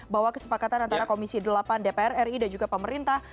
bahwa kesepakatan antara komisi delapan dpr ri dan juga pemerintah